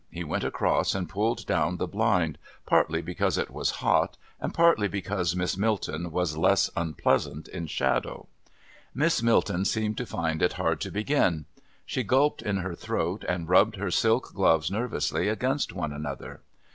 He went across and pulled down the blind, partly because it was hot and partly because Miss Milton was less unpleasant in shadow. Miss Milton seemed to find it hard to begin. She gulped in her throat and rubbed her silk gloves nervously against one another.